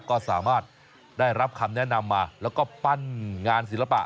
ก็สามารถได้รับคำแนะนำมาแล้วก็ปั้นงานศิลปะ